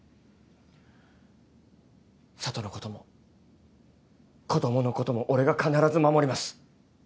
佐都のことも子供のことも俺が必ず守ります。